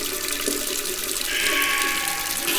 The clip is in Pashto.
راشد خان د کرکټ په ډګر کې د افغانستان د عزت نښه ده.